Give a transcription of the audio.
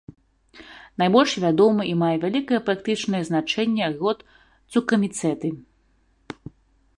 Найбольш вядомы і мае вялікае практычнае значэнне род цукраміцэты.